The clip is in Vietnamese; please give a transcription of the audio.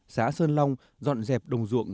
xã sơn long dọn dẹp đồng ruộng